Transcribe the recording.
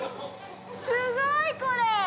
すごい！これ。